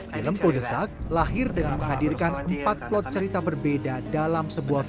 film podesak lahir dengan menghadirkan empat plot cerita berbeda dalam sebuah film